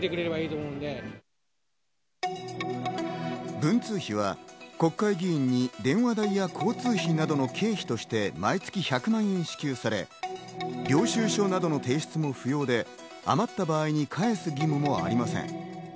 文通費は国会議員に電話代や交通費などの経費として毎月１００万円支給され、領収書などの提出も不要で余った場合に返す義務もありません。